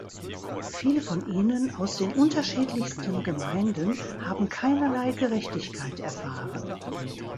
Viele von ihnen aus den unterschiedlichsten Gemeinden haben keinerlei Gerechtigkeit erfahren.